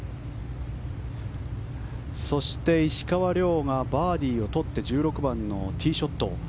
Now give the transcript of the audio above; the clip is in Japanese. そして、石川遼がバーディーをとって１６番のティーショット。